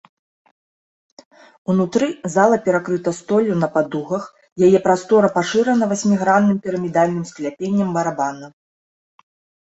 Унутры зала перакрыта столлю на падугах, яе прастора пашырана васьмігранным пірамідальным скляпеннем барабана.